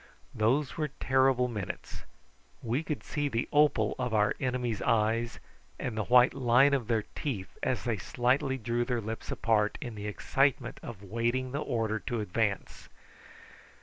Those were terrible minutes: we could see the opal of our enemies' eyes and the white line of their teeth as they slightly drew their lips apart in the excitement of waiting the order to advance.